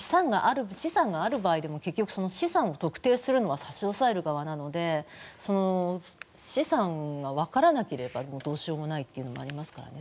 資産がある場合でも資産を特定するのは差し押さえる側なので資産がわからなければどうしようもないというのがありますからね。